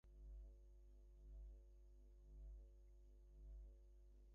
না বাবা, সে জন্যে সাজছি না এবং তুমি যা ভাবিছ তাও ঠিক না।